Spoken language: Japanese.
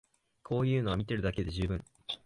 こういうのは見てるだけで充分